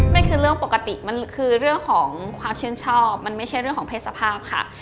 นั่นคือเรื่องปกติมันคือเรื่องของความชื่นชอบมันไม่ใช่เรื่องของเพศสภาพค่ะ